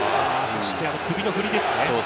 そして首の振りですね。